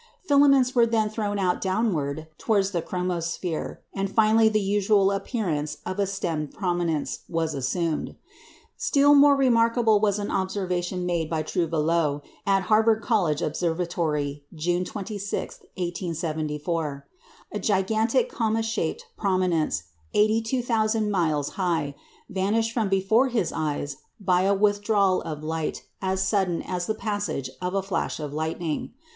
Filaments were then thrown out downward towards the chromosphere, and finally the usual appearance of a "stemmed prominence" was assumed. Still more remarkable was an observation made by Trouvelot at Harvard College Observatory, June 26, 1874. A gigantic comma shaped prominence, 82,000 miles high, vanished from before his eyes by a withdrawal of light as sudden as the passage of a flash of lightning.